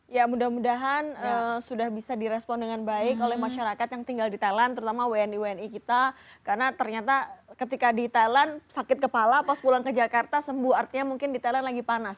ya mudah mudahan sudah bisa direspon dengan baik oleh masyarakat yang tinggal di thailand terutama wni wni kita karena ternyata ketika di thailand sakit kepala pas pulang ke jakarta sembuh artinya mungkin di thailand lagi panas